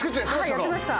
はいやってました。